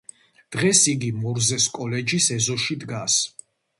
დღეს იგი მორზეს კოლეჯის ეზოში დგას.